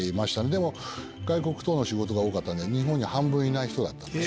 でも外国との仕事が多かったんで日本に半分いない人だったです。